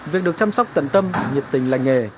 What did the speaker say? việc được chăm sóc tận tâm nhiệt tình lành nghề